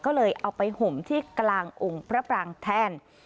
ก็เลยเอาไปห่มที่กลางองค์พระปรางแทน